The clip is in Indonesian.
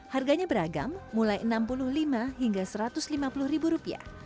harganya beragam mulai enam puluh lima hingga satu ratus lima puluh ribu rupiah